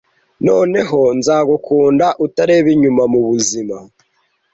noneho nzagukunda utareba inyuma mubuzima